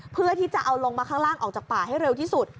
เพื่อที่จะเอาลงมาข้างล่างออกจากป่าให้เร็วที่สุด